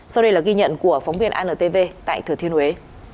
sau đây là ghi nhận của phóng viên antv tại thừa thiên huế